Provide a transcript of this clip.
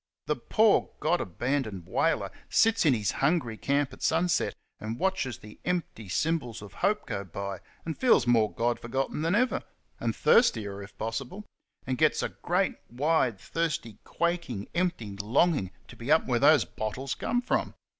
The poor, God abandoned " whaler " sits in his hungry camp at sunset and watches the empty symbols of Hope go by, and feels more God forgotten than ever and thirstier, if possible and gets a great, wide, thirsty, quaking, 65 empty longing to be up where those bottles come from.